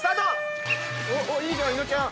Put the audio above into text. いいじゃん伊野尾ちゃん。